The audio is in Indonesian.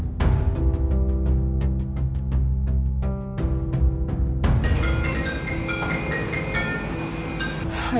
supaya dia gak salah paham